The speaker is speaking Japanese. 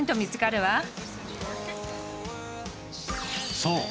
そう！